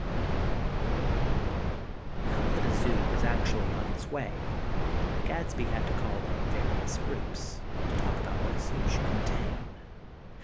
VII Now that a Zoo was actually on its way, Gadsby had to call in various groups to talk about what a Zoo should contain.